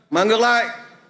mà ngược lại